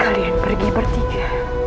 kalian pergi bertiga